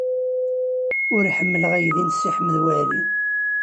Ur ḥemmleɣ aydi n Si Ḥmed Waɛli.